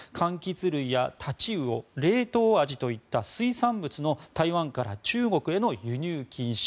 柑橘類やタチウオ、冷凍アジといった水産物の台湾から中国への輸入禁止。